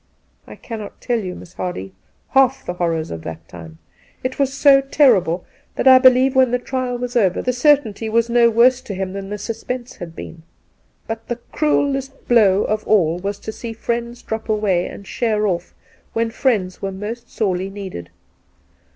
I cannot tell you, Miss Hardy, half the horrors of that time. It was so terrible that I believe when the trial was over the cer tainty was no worse to him than the suspense had been. But the cruellest blow of all was to see friends drop away and sheer off when friends were most sorely needed.